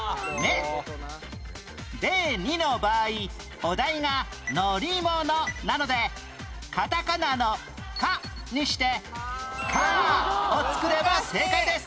例２の場合お題が「乗り物」なのでカタカナの「カ」にして「カー」を作れば正解です